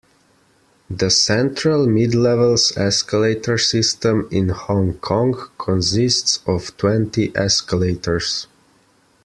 The Central-Midlevels escalator system in Hong Kong consists of twenty escalators.